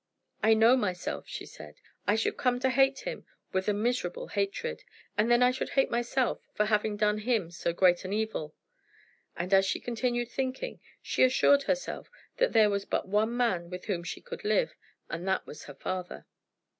"I know myself," she said. "I should come to hate him with a miserable hatred. And then I should hate myself for having done him so great an evil." And as she continued thinking she assured herself that there was but one man with whom she could live, and that that was her father.